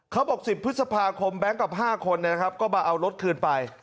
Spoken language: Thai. เขาบอก๑๐พฤษภาคมแบงค์กับ๕คนนะครับก็มาเอารถคืนไป